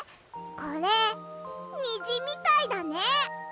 これにじみたいだね。